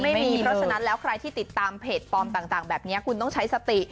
ไม่มีเพราะฉะนั้นแล้วใครที่ติดตามเพจปลอมต่างแบบนี้คุณต้องใช้สติ